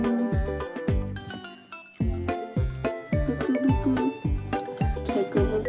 ブクブク。